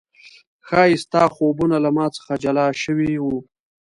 ښايي ستا خوبونه له ما څخه جلا شوي و